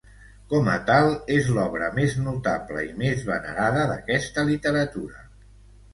Com a tal, és l'obra més notable i més venerada d'aquesta literatura.